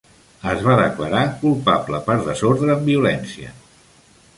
Es va declarar culpable per desordre amb violència.